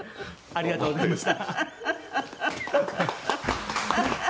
ありがとうございます。